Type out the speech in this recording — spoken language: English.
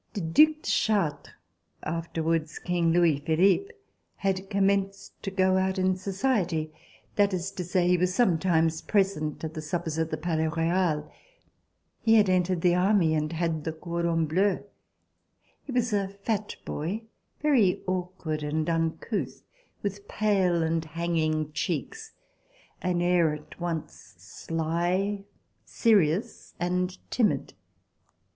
The Due de Chartres, afterwards King Louis Philippe, had commenced to go out in society, that is to say, he was sometimes present at the suppers at the Palais Royal. He had entered the Army and had the cordon bleu. He was a fat boy, very awkward and uncouth, with pale and hanging cheeks, an air at once sly, serious and timid.